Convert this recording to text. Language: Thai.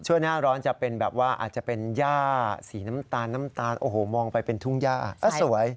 หน้าร้อนจะเป็นแบบว่าอาจจะเป็นย่าสีน้ำตาลน้ำตาลโอ้โหมองไปเป็นทุ่งย่าสวย